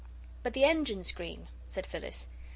"But the engine's green," said Phyllis.